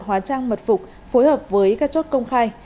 hóa trang mật phục phối hợp với các chốt công khai